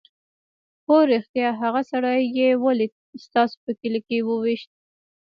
_هو رښتيا! هغه سړی يې ولې ستاسو په کلي کې وويشت؟